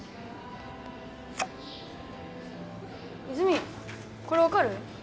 泉これ分かる？